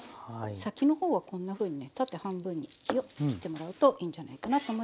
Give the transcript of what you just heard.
先の方はこんなふうにね縦半分によっ切ってもらうといいんじゃないかなと思います。